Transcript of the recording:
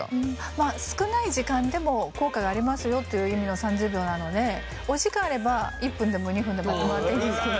まあ少ない時間でも効果がありますよという意味の３０秒なのでお時間あれば１分でも２分でもやってもらっていいんですけど。